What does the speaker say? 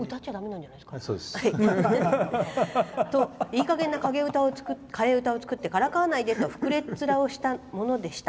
いいかげんな替え歌を作ってからかわないで！とふくれっ面をしたものでした。